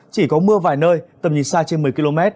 chỉ có mưa vài nơi tầm nhìn xa trên một mươi km